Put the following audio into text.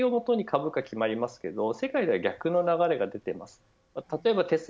日本ではまず業績をもとに株価が決まりますけれども世界では逆の流れが出ています。